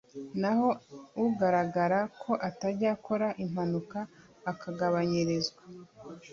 naho ugaragara ko atajya akora impanuka akagabanyirizwa